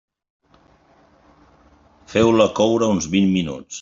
Feu-la coure uns vint minuts.